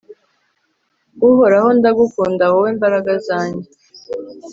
uhoraho, ndagukunda, wowe mbaraga zanjye